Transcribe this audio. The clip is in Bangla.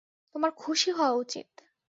তোমার খুশি হওয়া উচিত!